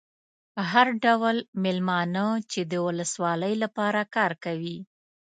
هر ډول مېلمانه چې د ولسوالۍ لپاره کار کوي.